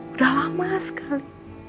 udah lama sekali